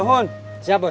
nahun siap bos